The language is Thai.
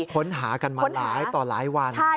ค้นหากันมาหลายต่อหลายวันค้นหาใช่